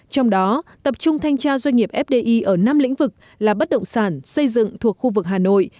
trong đó tập trung thanh tra doanh nghiệp fdi ở năm lĩnh vực là bất động sản xây dựng thuộc khu vực hà nội